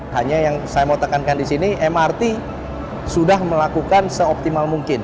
hanya yang saya mau tekankan di sini mrt sudah melakukan seoptimal mungkin